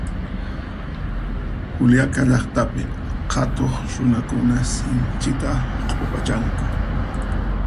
Juliaca llaqtapi qhatuq runakuna sinchita q'upachanku